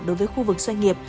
đối với khu vực doanh nghiệp